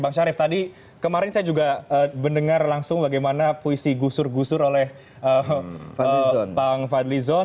bang syarif tadi kemarin saya juga mendengar langsung bagaimana puisi gusur gusur oleh bang fadli zon